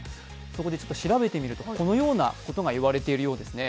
そこで調べてみるとこのようなことが言われているようですね。